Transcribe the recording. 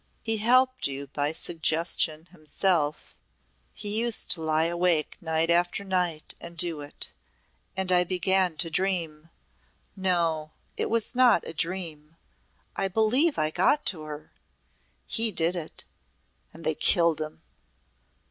He helped you by suggestion himself " "He used to lie awake night after night and do it and I began to dream No, it was not a dream. I believe I got to her He did it and they killed him!"